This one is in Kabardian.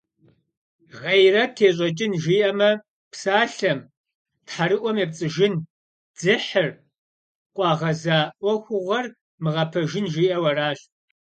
«Гъейрэт ещӀэкӏын» жиӏэмэ, псалъэм, тхьэрыӀуэм епцӀыжын, дзыхьыр, къуагъэза Ӏуэхугъуэр мыгъэпэжын, жиӏэу аращ.